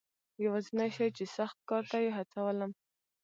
یوازنی شی چې سخت کار ته یې هڅولم.